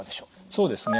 そうですね。